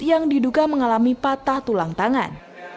yang diduga mengalami patah tulang tangan